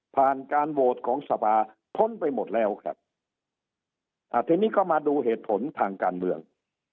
ผ่านการโหวตของสภาพ้นไปหมดแล้วครับอ่าทีนี้ก็มาดูเหตุผลทางการเมือง